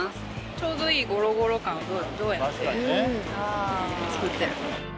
ちょうどいいゴロゴロ感をどうやって作ってる？